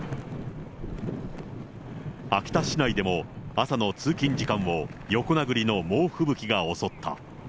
秋田市内でも、朝の通勤時間を横殴りの猛吹雪が襲った。